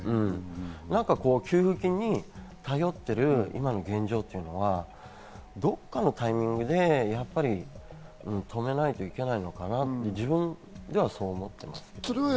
給付金に頼っている今の現状っていうのはどこかのタイミングで止めないといけないのかなと、自分ではそう思っている。